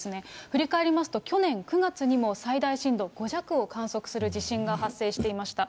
振り返りますと、去年９月にも、最大震度５弱を観測する地震が発生していました。